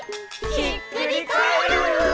ひっくりカエル！